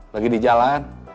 lagi di jalan